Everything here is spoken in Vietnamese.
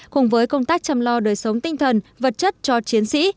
cùng với công tác chăm lo đời sống tinh thần vật chất cho chiến sĩ